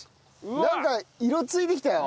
なんか色ついてきたよ。